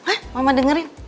eh mama dengerin